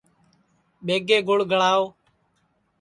ٻیگے گھُڑ گݪاؤ